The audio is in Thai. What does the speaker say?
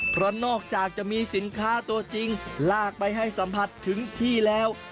เพราะนอกจากจะมีสินค้าตัวจริงลากไปให้สัมผัสถึงที่แล้ว